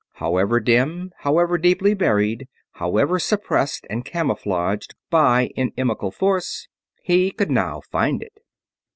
However dim, however deeply buried, however suppressed and camouflaged by inimical force, he could now find it.